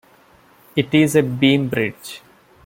It is a beam bridge.